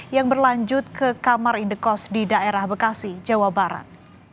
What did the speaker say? yang berlanjut ke kamar indekos di daerah bekasi jawa barat